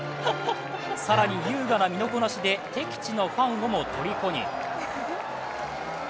更に優雅な身のこなしで敵地のファンもとりこに。